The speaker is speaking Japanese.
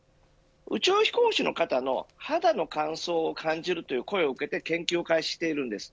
宇宙飛行士の方の肌の乾燥を感じるという声を受けて研究を開始しているんです。